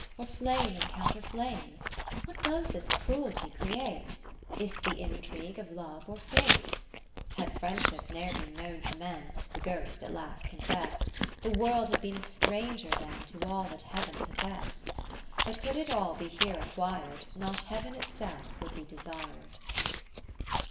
Or flame encounter flame ? 40 What does this cruelty create ? Is 't the intrigue of Love or Fate ? VIII Had Friendship ne'er been known to men, (The Ghost at last confest) The World had been a stranger then To all that Heaven possest. But could it all be here acquir'd, Not Heaven itself would be desir'd.